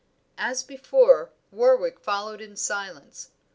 As before, Warwick followed in silence.